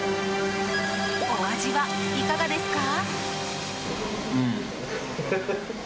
お味はいかがですか？